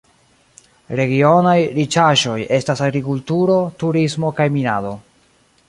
Regionaj riĉaĵoj estas agrikulturo, turismo kaj minado.